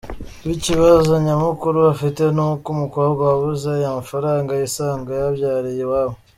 Bo ikibazo nyamukuru bafite ni uko umukobwa wabuze aya mafaranga, yisanga yabyariye iwabo.